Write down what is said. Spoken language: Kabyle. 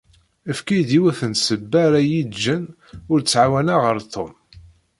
Efk-iyi-d yiwet n ssebba ara yi-yeǧǧen ur ttεawaneɣ ar Tom.